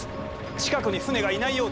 近くに船がいないようで。